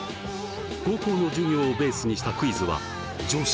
高校の授業をベースにしたクイズは常識？